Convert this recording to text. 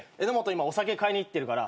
今お酒買いに行ってるから。